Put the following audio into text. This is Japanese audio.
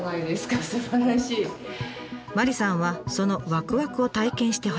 麻里さんはそのワクワクを体験してほしい。